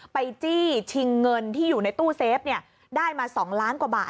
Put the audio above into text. จี้ชิงเงินที่อยู่ในตู้เซฟได้มา๒ล้านกว่าบาท